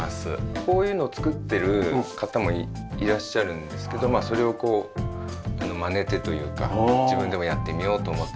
こういうの作ってる方もいらっしゃるんですけどまあそれをこうまねてというか自分でもやってみようと思って。